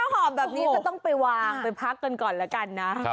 หอมแบบนี้ก็ต้องไปวางไปพักกันก่อนแล้วกันนะ